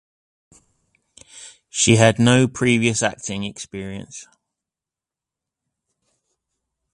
She had no previous acting experience.